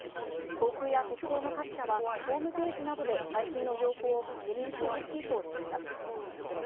航空や鉄道の各社は、ホームページなどで最新の情報を確認してほしいとしています。